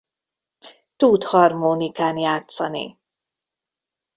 Tud harmonikán játszani.